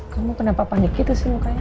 kamu kenapa panik gitu sih mukanya